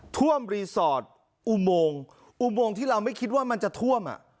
ท่วมรีสอร์ทอุโมงอุโมงที่เราไม่คิดว่ามันจะท่วมอ่ะ